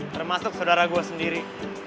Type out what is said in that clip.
termasuk sodara gue sendiri